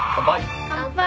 乾杯！